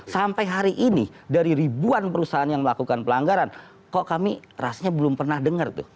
sampai hari ini dari ribuan perusahaan yang melakukan pelanggaran kok kami rasnya belum pernah dengar tuh